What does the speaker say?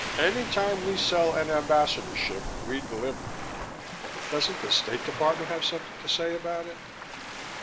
Any time we sell an Ambassadorship, we deliver." "Doesn't the State Department have something to say about it?"